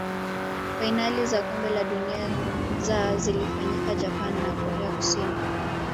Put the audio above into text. fainali za kombe la dunia za zilifanyika japan na korea kusini